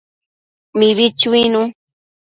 Mibi chuinu